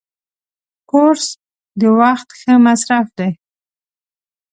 کورس د وخت ښه مصرف دی.